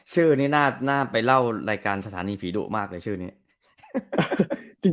ชื่อนี่น่าไปเล่าในรายการสถานีผีโดมากเลย